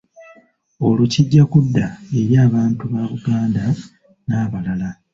Olwo kijja kudda eri abantu ba Buganda n’abalala.